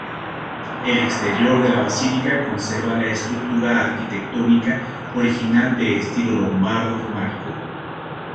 El exterior de la basílica conserva la estructura arquitectónica original de estilo lombardo-románico.